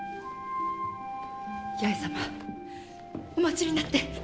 弥江様お待ちになって！